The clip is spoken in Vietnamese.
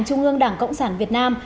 trung ương đảng cộng sản việt nam